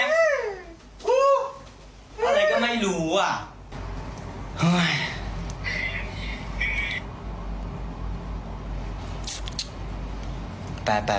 ตามแผน